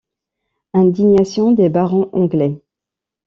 Indignation des barons anglais.